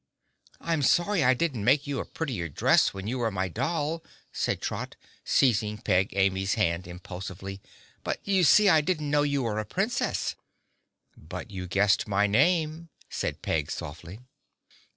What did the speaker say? "I'm sorry I didn't make you a prettier dress when you were my doll," said Trot, seizing Peg Amy's hand impulsively, "but you see I didn't know you were a Princess." "But you guessed my name," said Peg softly.